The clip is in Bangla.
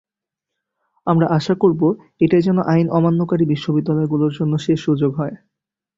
আমরা আশা করব, এটাই যেন আইন অমান্যকারী বিশ্ববিদ্যালয়গুলোর জন্য শেষ সুযোগ হয়।